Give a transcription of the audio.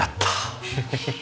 フフフフ。